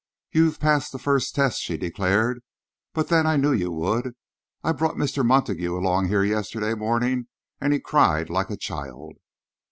"You've passed the first test," she declared, "but then I knew you would. I brought Mr. Montague along here yesterday morning, and he cried like a child."